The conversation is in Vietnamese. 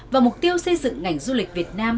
và mục tiêu xây dựng ngành du lịch việt nam